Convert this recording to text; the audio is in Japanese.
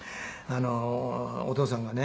お父さんがね